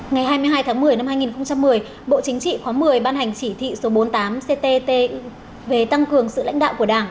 ngày hai mươi hai tháng một mươi năm hai nghìn một mươi bộ chính trị khóa một mươi ban hành chỉ thị số bốn mươi tám ctt về tăng cường sự lãnh đạo của đảng